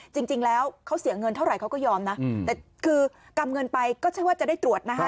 จริงแล้วเขาเสียเงินเท่าไหร่เขาก็ยอมนะแต่คือกำเงินไปก็ใช่ว่าจะได้ตรวจนะคะ